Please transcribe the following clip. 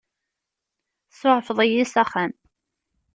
Tsuɛfeḍ-iyi s axxam.